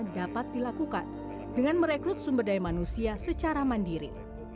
dapat dilakukan dengan merekrut sumber daya manusia secara mandiri